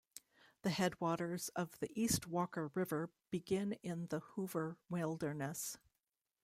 The headwaters of the East Walker River begin in the Hoover Wilderness.